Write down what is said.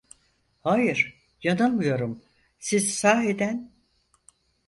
Hayır, yanılmıyorum, siz sahiden…